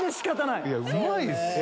いやうまいっしょ。